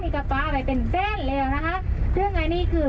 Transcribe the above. ถ้าไม่อ่านทรัพย์ข้างล่างเนี่ย